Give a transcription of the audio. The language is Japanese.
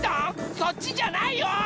そっちじゃないよ！